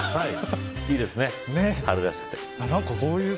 いいですね、春らしくて。